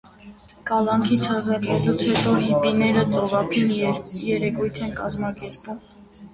Կալանքից ազատվելուց հետո հիպիները ծովափին երեկույթ են կազմակերպում։